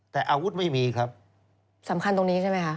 แต่อาวุธไม่มีครับสำคัญตรงนี้ใช่ไหมคะ